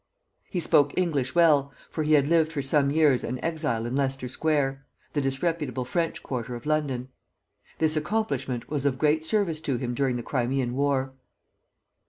He spoke English well, for he had lived for some years an exile in Leicester Square, the disreputable French quarter of London; this accomplishment was of great service to him during the Crimean War.